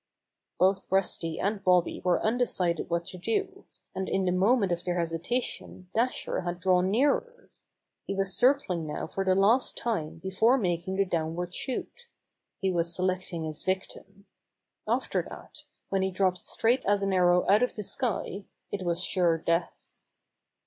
Both Rusty and Bobby were undecided what to do, and in the moment of their hesita tion Dasher had drawn nearer. He was cir cling now for the last time before making the downward shoot. He was selecting his victim. After that, when he dropped straight as an arrow out of the sky, it was sure death.